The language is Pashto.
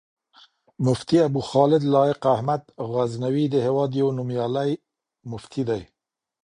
مفتي ابوخالد لائق احمد غزنوي، د هېواد يو نوميالی مفتی دی